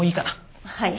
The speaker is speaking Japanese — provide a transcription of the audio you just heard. はい。